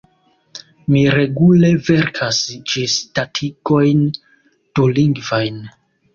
Mi regule verkas ĝisdatigojn dulingvajn.